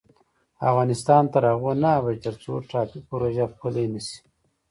افغانستان تر هغو نه ابادیږي، ترڅو ټاپي پروژه پلې نشي.